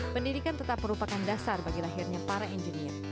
pendidikan tetap merupakan dasar bagi lahirnya para engineer